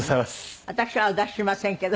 私はお出ししませんけど。